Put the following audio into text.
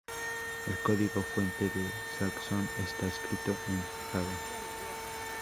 El código fuente de Saxon está escrito en Java.